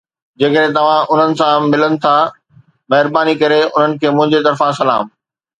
جيڪڏهن توهان انهن سان ملن ٿا، مهرباني ڪري انهن کي منهنجي طرفان سلام